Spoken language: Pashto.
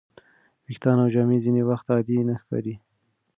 ویښتان او جامې ځینې وخت عادي نه ښکاري.